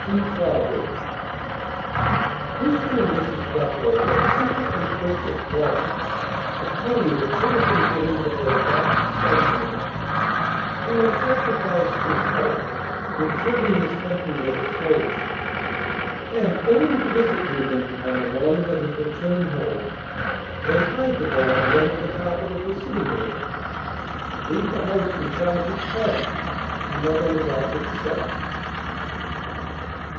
T. TROWBRIDGE (Mr. and Mrs. Ducklow have secretly purchased bonds with money that should have been given to their adopted son Reuben, who has sacrificed his health in serving his country as a soldier, and, going to visit Reuben on the morning of his return home, they hide the bonds under the carpet of the sitting room, and leave the house in charge of Taddy, another adopted son.)